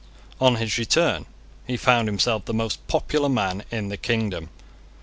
On his return he found himself the most popular man in the kingdom.